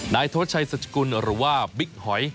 โทษชัยสัจกุลหรือว่าบิ๊กหอย